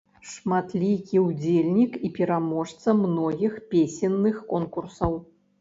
Шматлікі ўдзельнік і пераможца многіх песенных конкурсаў.